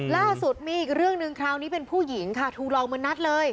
ล่าสุดมีอีกเรื่องหนึ่งคราวนี้เป็นผู้หญิงค่ะถูกลองมานัดเลย